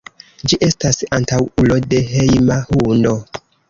Ĝi estas antaŭulo de hejma hundo.